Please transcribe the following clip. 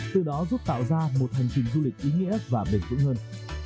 từ đó giúp tạo ra một hành trình du lịch ý nghĩa và bền vững hơn